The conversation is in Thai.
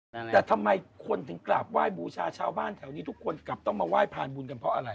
อเจมส์แต่ทำไมควรทำกว่าว่ายบูชาชาวบ้านแถวนี้ทุกคนกับต้องมาว่ายพระอันบุญกันเพราะอะไร